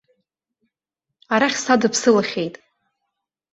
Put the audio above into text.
Арахь садыԥсылахьеит.